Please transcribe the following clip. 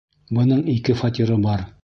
Бының ике фатиры бар!